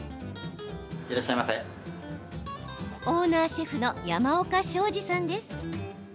オーナーシェフの山岡昌治さんです。